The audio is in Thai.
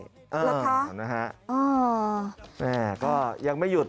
ครับคะอ๋ออืมนะฮะแน่ก็ยังไม่หยุด